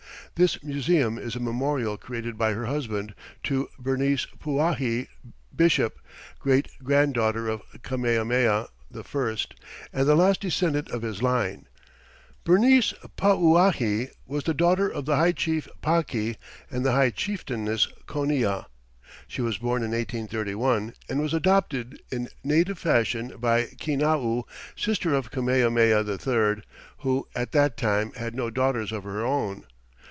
This museum is a memorial, created by her husband, to Bernice Pauahi Bishop, great granddaughter of Kamehameha I and the last descendant of his line. Bernice Pauahi was the daughter of the high chief Paki and the high chieftainess Konia. She was born in 1831, and was adopted in native fashion by Kinau, sister of Kamehameha III, who at that time had no daughters of her own.